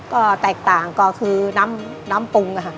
ก็แตกต่างก็คือน้ำปรุงค่ะ